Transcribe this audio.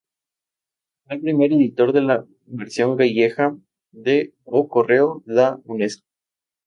Fue el primer editor de la versión gallega de "O Correo da Unesco".